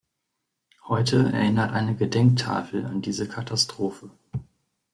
Heute erinnert eine Gedenktafel an diese Katastrophe.